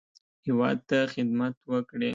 هیواد ته خدمت وکړي.